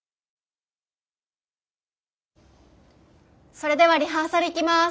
それではリハーサルいきます。